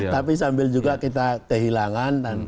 tapi sambil juga kita kehilangan